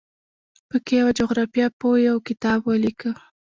په کې یوه جغرافیه پوه یو کتاب ولیکه.